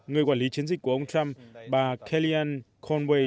người quản lý chiến dịch của ông trump bà kellyanne conway